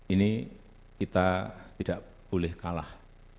ini kita tidak boleh kalah